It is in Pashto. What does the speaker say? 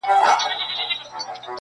چا توپکونه چا واسکټ چا طیارې راوړي٫